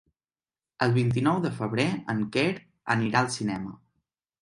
El vint-i-nou de febrer en Quer anirà al cinema.